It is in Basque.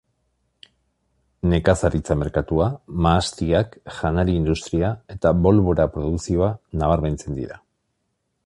Nekazaritza merkatua, mahastiak, janari industria eta bolbora produkzioa nabarmentzen dira.